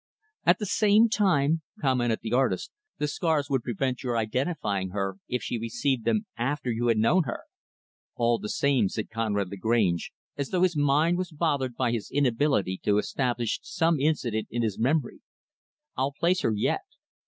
"At the same time," commented the artist, "the scars would prevent your identifying her if she received them after you had known her." "All the same," said Conrad Lagrange, as though his mind was bothered by his inability to establish some incident in his memory, "I'll place her yet.